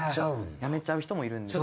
辞めちゃう人もいるんです。